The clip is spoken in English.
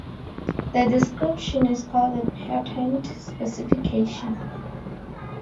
The description is called a patent "specification".